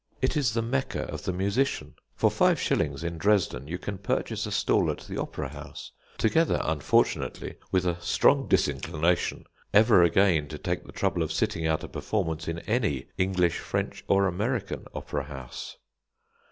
It is the Mecca of the musician. For five shillings, in Dresden, you can purchase a stall at the opera house, together, unfortunately, with a strong disinclination ever again to take the trouble of sitting out a performance in any English, French, or, American opera house.